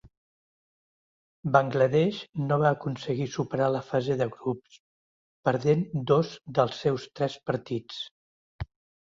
Bangladesh no va aconseguir superar la fase de grups, perdent dos dels seus tres partits.